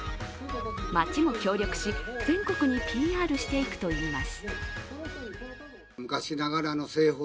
町も協力し全国にＰＲしていくといいます。